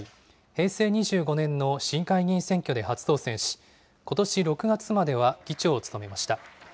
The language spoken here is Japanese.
平成２５年の市議会議員選挙で初当選し、ことし６月までは議長を務めました。